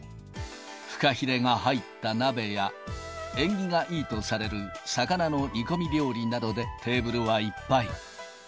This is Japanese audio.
フカヒレが入った鍋や、縁起がいいとされる魚の煮込み料理などでテーブルはいっぱい。